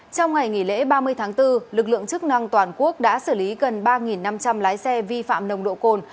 trong ngày nghỉ lễ ba mươi tháng bốn lực lượng chức năng toàn quốc đã xử lý gần ba năm trăm linh lái xe vi phạm nồng độ cồn